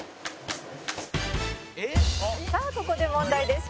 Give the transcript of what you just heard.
「さあここで問題です」